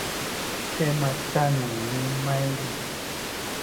Slèh ma cal niyn maydi.